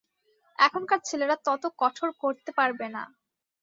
এখনকার ছেলেরা তত কঠোর করতে পারবে না।